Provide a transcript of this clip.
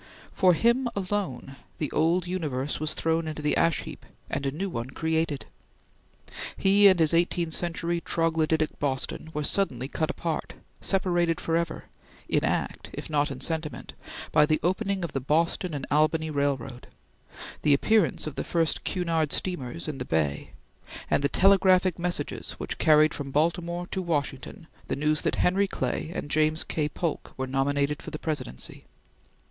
For him, alone, the old universe was thrown into the ash heap and a new one created. He and his eighteenth century, troglodytic Boston were suddenly cut apart separated forever in act if not in sentiment, by the opening of the Boston and Albany Railroad; the appearance of the first Cunard steamers in the bay; and the telegraphic messages which carried from Baltimore to Washington the news that Henry Clay and James K. Polk were nominated for the Presidency.